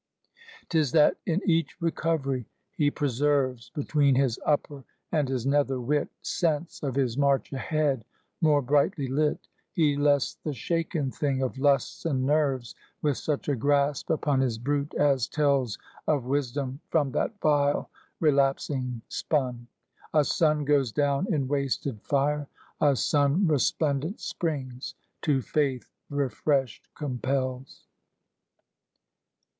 'Tis that in each recovery he preserves, Between his upper and his nether wit, Sense of his march ahead, more brightly lit; He less the shaken thing of lusts and nerves; With such a grasp upon his brute as tells Of wisdom from that vile relapsing spun. A Sun goes down in wasted fire, a Sun Resplendent springs, to faith refreshed compels.